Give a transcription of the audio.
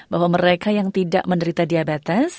bahwa mereka yang tidak menderita diabetes